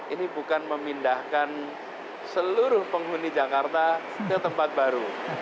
ini bukan memindahkan seluruh penghuni jakarta ke tempat baru